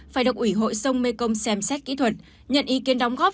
phải đọc ủy hội sông mê công xem xét kỹ thuật nhận ý kiến đóng góp